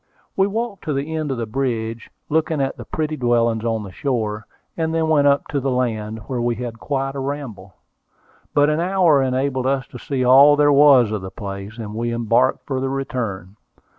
We walked to the end of the bridge, looking at the pretty dwellings on the shore, and then went upon the land, where we had quite a ramble. But an hour enabled us to see all there was of the place, and we embarked for the return.